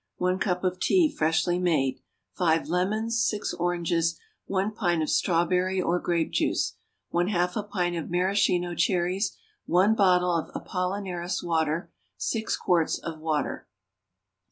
1 cup of tea, freshly made. 5 lemons. 6 oranges. 1 pint of strawberry or grape juice. 1/2 a pint of maraschino cherries. 1 bottle of Apollinaris water. 6 quarts of water.